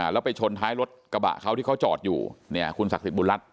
แล้วไปชนท้ายรถกระบะเขาที่เขาจอดอยู่เนี่ยคุณศักดิ์สิทธิบุญรัฐ